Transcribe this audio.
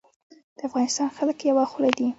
د افغانستان خلک یوه خوله دي